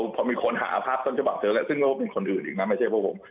พอมีคนหาภาพต้นฉบับเถอะซึ่งก็เป็นคนอื่นอีกนะไม่ใช่เพราะผม